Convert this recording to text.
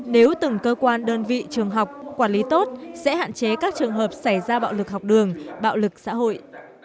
nếu từng cơ quan đơn vị trường học quản lý tốt sẽ hạn chế các trường hợp xảy ra bạo lực học đường bạo lực xã hội